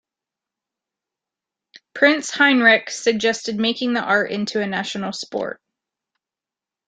Prince Heinrich suggested making the art into a national sport.